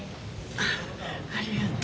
ああありがとう。